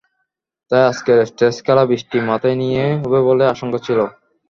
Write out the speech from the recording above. তাই আজকের টেস্ট খেলা বৃষ্টি মাথায় নিয়েই হবে বলে আশঙ্কা ছিল।